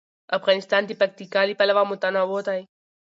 افغانستان د پکتیکا له پلوه متنوع دی.